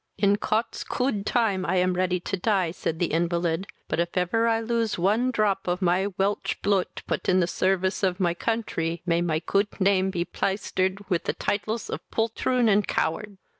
"In Cot's cood time I am ready to die, (said the invalid;) but, if ever I lose one drop of my Welch bloot, put in the service of my country, may my coot name be plasted with the titles of poltroon and coward!"